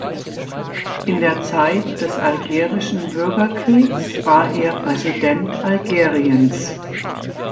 In der Zeit des algerischen Bürgerkriegs war er Präsident Algeriens.